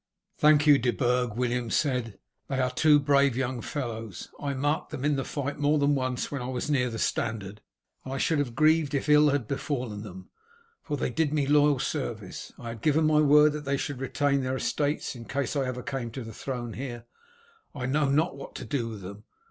"Thank you, De Burg," William said; "they are two brave young fellows. I marked them in the fight more than once when I was near the standard, and I should have grieved if ill had befallen them, for they did me loyal service. I had given my word that they should retain their estates in case I ever came to the throne here. I know not what to do with them.